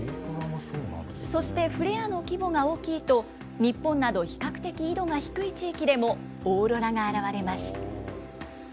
そしてフレアの規模が大きいと、日本など比較的緯度が低い地域でも、オーロラが現れます。